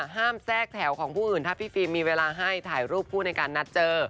แทรกแถวของผู้อื่นถ้าพี่ฟิล์มมีเวลาให้ถ่ายรูปคู่ในการนัดเจอ